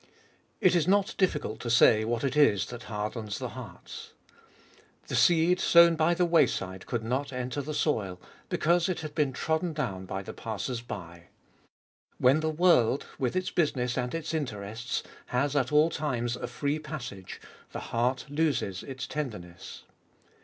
It is not difficult to say what it is that hardens the hearts. The seed sown by the wayside could not enter the soil, because it had been trodden down by the passers by. When the world, with its business and its interests, has at all times a free passage, the heart loses its tenderness.